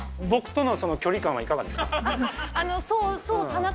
僕との距離感はいかがでした